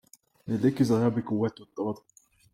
Neil tekkisid ajapikku uued tuttavad.